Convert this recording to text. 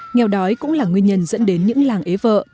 nghèo đói cũng là nguyên nhân dẫn đến những làng ế vợ